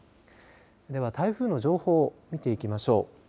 では、台風の情報を見ていきましょう。